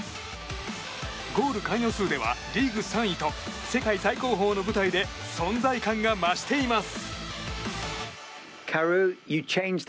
ゴール関与数ではリーグ３位と世界最高峰の舞台で存在感が増しています。